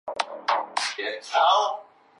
首先焊接工人不小心让火花引燃周围环境。